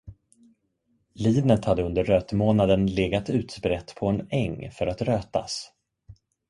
Linet hade under rötmånaden legat utbrett på en äng för att rötas.